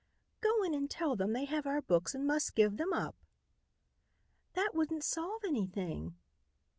"Go in and tell them they have our books and must give them up." "That wouldn't solve anything."